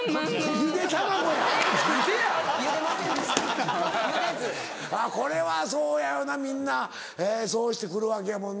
ゆでず・これはそうやよなみんなそうして来るわけやもんな。